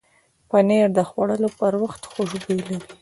پنېر د خوړلو پر وخت خوشبو لري.